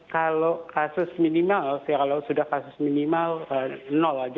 kalau kasus minimal ya kalau sudah kasus minimal aja